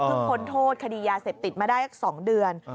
พ้นโทษคดียาเสพติดมาได้๒เดือน